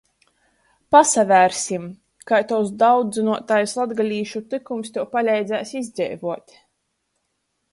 Pasavērsim kai tovs daudzynuotais latgalīšu tykums tev paleidzēs izdzeivuot?